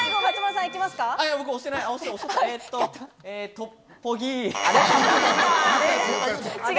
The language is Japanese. トッポギ。